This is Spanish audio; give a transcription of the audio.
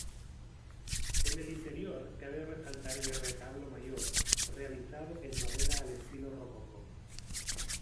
En el interior cabe resaltar el retablo mayor, realizado en madera al estilo rococó.